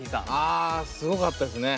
あすごかったですね。